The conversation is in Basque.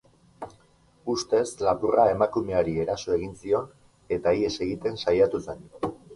Ustez, lapurra emakumeari eraso egin zion eta ihes egiten saiatu zen.